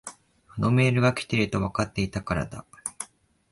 あのメールが来ているとわかっていたからだ。